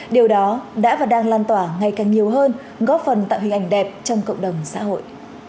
điều đó đã và đang lan tỏa ngày càng nhiều hơn góp phần tạo hình ảnh đẹp trong cộng đồng xã hội